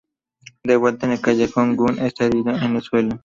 De vuelta en el callejón, Gunn está herido en el suelo.